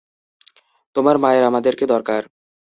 তোমার মায়ের আমাদেরকে দরকার!